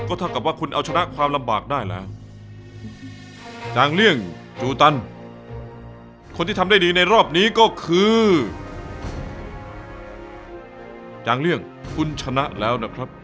ก็เท่ากับว่าคุณเอาชนะความลำบากได้แล้ว